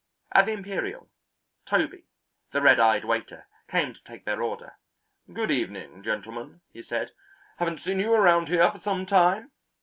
At the Imperial, Toby, the red eyed waiter, came to take their order. "Good evening, gentlemen," he said. "Haven't seen you around here for some time."